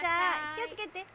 気を付けて。